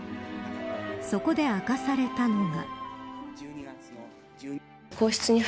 そこで明かされたのが。